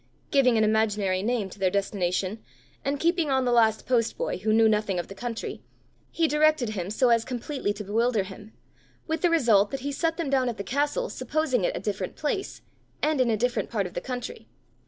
Giving an imaginary name to their destination, and keeping on the last post boy who knew nothing of the country, he directed him so as completely to bewilder him, with the result that he set them down at the castle supposing it a different place, and in a different part of the country.